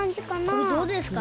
これどうですか？